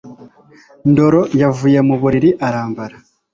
ndoro yavuye mu buriri arambara